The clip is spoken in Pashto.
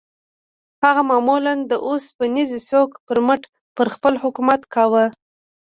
هغه معمولاً د اوسپنيز سوک پر مټ پر خلکو حکومت کاوه.